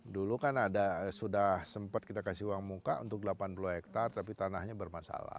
dulu kan ada sudah sempat kita kasih uang muka untuk delapan puluh hektare tapi tanahnya bermasalah